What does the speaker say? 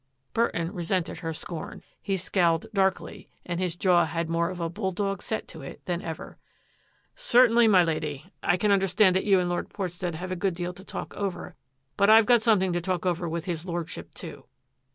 Burton resented her scorn. He scowled darkly and his jaw had more of a bull dog set to it than ever. " Certainly, my Lady. I can understand that you and Lord Portstead have a good deal to talk over, but I've got something to talk over with his Lordship, too.